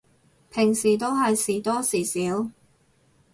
平時都係時多時少